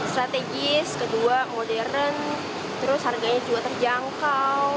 strategis kedua modern terus harganya juga terjangkau